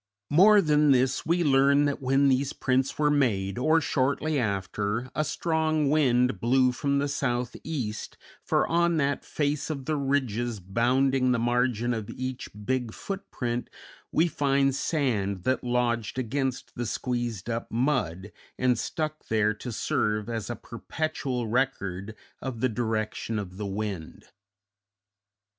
More than this, we learn that when these prints were made, or shortly after, a strong wind blew from the southeast, for on that face of the ridges bounding the margin of each big footprint, we find sand that lodged against the squeezed up mud and stuck there to serve as a perpetual record of the direction of the wind.